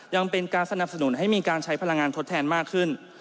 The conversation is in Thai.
ยังเป็นการสนับสนุนให้มีการใช้พลังงานทดแทนมากขึ้น